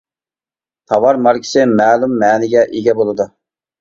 تاۋار ماركىسى مەلۇم مەنىگە ئىگە بولىدۇ.